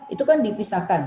itu kan dipisahkan